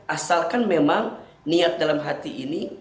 asalkan memang niat dalam hati ini